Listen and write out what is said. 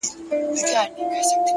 پوهه د محدودیتونو پولې نړوي